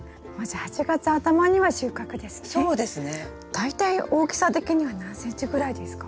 大体大きさ的には何ｃｍぐらいですか？